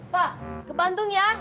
pak ke bandung ya